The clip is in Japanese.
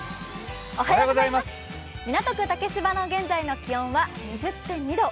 港区竹芝の現在の気温は２０．２度。